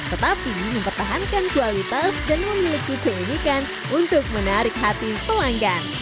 tetapi mempertahankan kualitas dan memiliki keunikan untuk menarik hati pelanggan